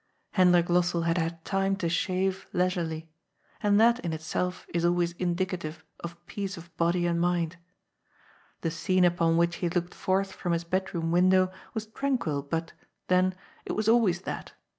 Hendrik Lossell had had time to shave leisurely. And that, in itself, is always indicative of peace of body and mind. The scene upon which he looked forth from his bedroom window was tranquil, but, then, it was always that.